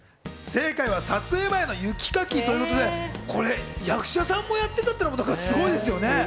正解は、撮影前の雪かきということで、これ役者さんもやってたっていうのがすごいですよね。